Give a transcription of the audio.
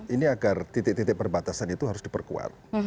ini agar titik titik perbatasan itu harus diperkuat